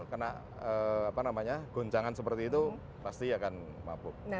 karena gonjangan seperti itu pasti akan mabuk